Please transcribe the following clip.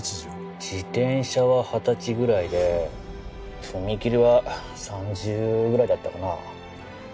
自転車は二十歳ぐらいで踏切は３０ぐらいだったかな。